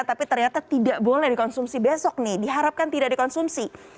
tapi ternyata tidak boleh dikonsumsi besok nih diharapkan tidak dikonsumsi